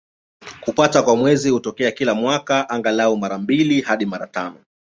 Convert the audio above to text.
Kupatwa kwa Mwezi hutokea kila mwaka, angalau mara mbili hadi mara tano.